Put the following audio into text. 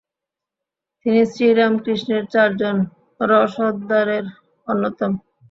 তিনি শ্রীরামকৃষ্ণের চারজন রসদদারের অন্যতম।